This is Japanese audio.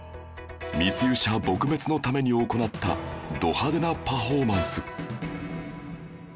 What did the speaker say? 密輸車撲滅のために行ったド派手なパフォーマンス